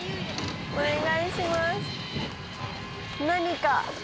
何か。